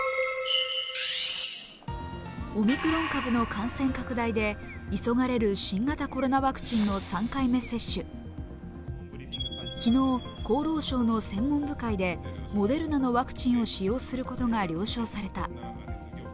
オミクロン株の感染拡大で急がれる新型コロナウイルスの３回目の接種昨日、厚労省の専門部会でモデルナのワクチンを使用することが了承された。